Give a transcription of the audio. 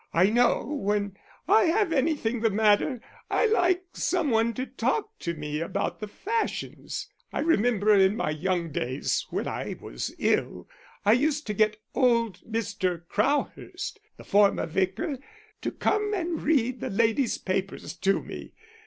I know when I have anything the matter, I like some one to talk to me about the fashions. I remember in my young days, when I was ill, I used to get old Mr. Crowhurst, the former vicar, to come and read the ladies' papers to me.